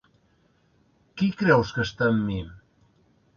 Qui creus que està amb mi?